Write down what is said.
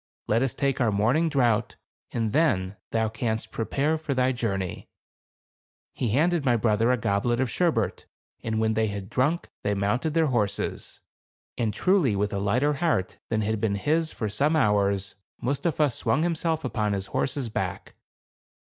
"Let us take our morning draught, and then thou canst pre pare for thy journey." He handed my brother a goblet of sherbet, and when they had drunk, they mounted their horses ; and truly with a lighter heart than had been his for some hours, 170 THE CARAVAN. Mustapha swung liimself upon his horse's back.